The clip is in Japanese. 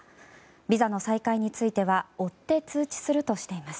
ビザの再開については追って通知するとしています。